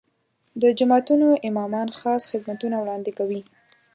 د جوماتونو امامان خاص خدمتونه وړاندې کوي.